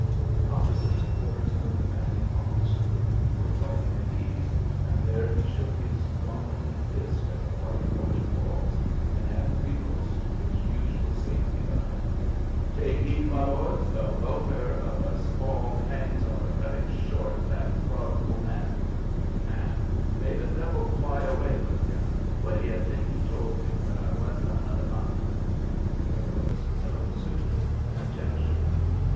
Opposite the quarters of the commanding officer we were riding at ease, and there he shook his gauntleted fist at the whitewashed walls, and had recourse to his usual safety valve, "'Take heed, my lords, the welfare of us all Hangs on the cutting short that fraudful man,' and may the devil fly away with him! What d'ye think he told me when I went to hunt him up?" There was no suitable conjecture.